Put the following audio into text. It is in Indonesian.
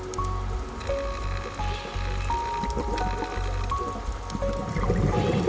jika anda ingin memiliki pengalaman terbaik dari musim panas